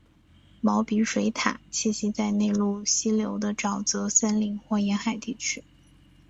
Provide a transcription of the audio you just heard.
毛鼻水獭栖息在内陆溪流的沼泽森林或沿海地区。